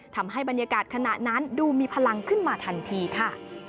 ทำให้บรรยากาศขณะนั้นดูมีพลังขึ้นมาทันทีค่ะ